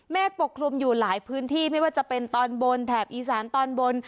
ปกคลุมอยู่หลายพื้นที่ไม่ว่าจะเป็นตอนบนแถบอีสานตอนบน